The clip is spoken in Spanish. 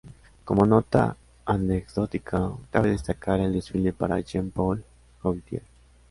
Como nota anecdótica, cabe destacar el desfile para Jean Paul Gaultier.